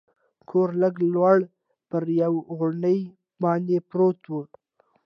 کور لږ لوړ پر یوې غونډۍ باندې پروت و.